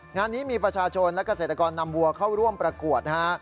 งานนี้มีประชาชนและเกษตรกรนำวัวเข้าร่วมประกวดนะฮะ